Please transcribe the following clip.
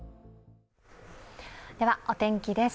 ではお天気です。